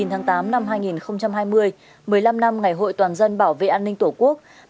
một mươi tháng tám năm hai nghìn hai mươi một mươi năm năm ngày hội toàn dân bảo vệ an ninh tổ quốc